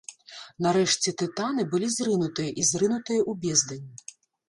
Нарэшце тытаны былі зрынутыя і зрынутыя ў бездань.